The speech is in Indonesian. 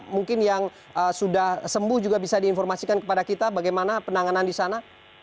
mungkin yang sudah sembuh juga bisa diinformasikan kepada kita bagaimana penanganan di sana